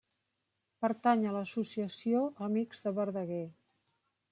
Pertany a l'associació Amics de Verdaguer.